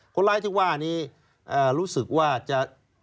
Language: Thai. คนร้ายที่ว่านี้รู้สึกว่าจะ